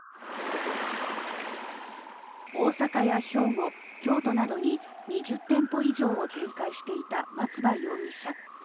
大阪や兵庫、京都などに２０店舗以上を展開していた松葉容疑者。